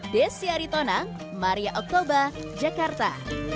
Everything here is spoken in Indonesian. desyari tonang maria oktober jakarta